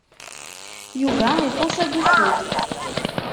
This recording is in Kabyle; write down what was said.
Yuba ixuṣṣ agguffed.